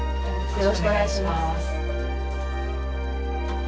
よろしくお願いします。